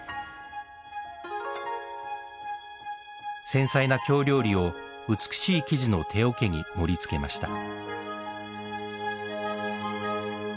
繊細な京料理を美しい木地の手桶に盛り付けました。